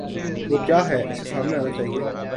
وہ کیا ہے، اسے سامنے آنا چاہیے۔